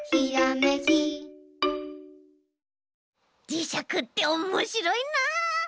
じしゃくっておもしろいな。